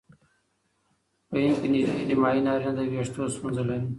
په هند کې نژدې نیمایي نارینه د وېښتو ستونزه لري.